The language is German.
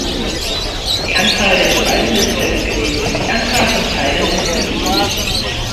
Die Anzahl der Spalten ist festgelegt, die Anzahl von Zeilen ist beliebig.